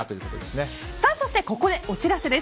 そしてここでお知らせです。